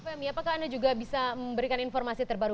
femi apakah anda juga bisa memberikan informasi terbaru